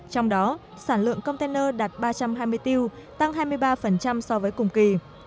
trong đó sản lượng container đạt ba trăm hai mươi tiêu tăng hai mươi ba so với cùng kỳ